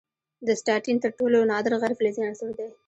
د اسټاټین تر ټولو نادر غیر فلزي عنصر دی.